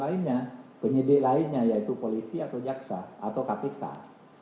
mungkin saja penyidik lainnya yaitu polisi atau jaksa atau kapital